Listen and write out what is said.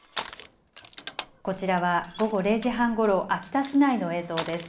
こちらは午後０時半ごろ秋田市内の映像です。